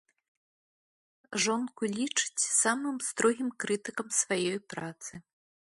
Жонку лічыць самым строгім крытыкам сваёй працы.